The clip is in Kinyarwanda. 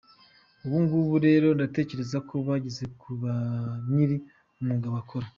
Ubu ngubu rero ntekereza ko hageze ko banyiri umwuga bawukora.